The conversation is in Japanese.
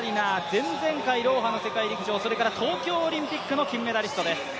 前々回ドーハの世界陸上、それから東京オリンピックの銀メダリストです。